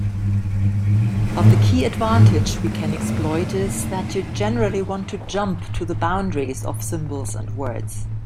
But the key advantage we can exploit is that you generally want to jump to the boundaries of symbols and words.